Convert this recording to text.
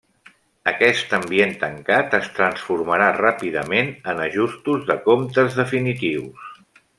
Aquest ambient tancat es transformarà ràpidament en ajustos de comptes definitius.